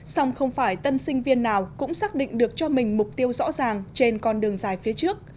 song không phải tân sinh viên nào cũng xác định được cho mình mục tiêu rõ ràng trên con đường dài phía trước